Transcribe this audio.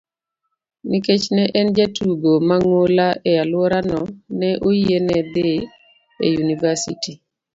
Nikech ne en jatugo mang'ula e alworano, ne oyiene dhi e yunivasiti.